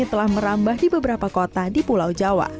telah merambah di beberapa kota di pulau jawa